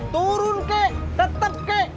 turun kek tetep kek